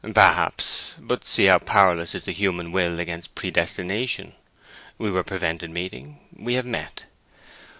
"Perhaps. But see how powerless is the human will against predestination. We were prevented meeting; we have met.